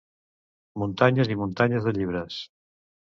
Muntanyes i muntanyes de llibres.